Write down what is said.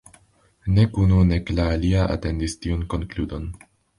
Nek unu, nek la alia atendis tiun konkludon.